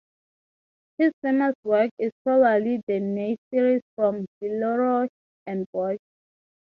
His most famous work is probably the naif series from Villeroy and Boch.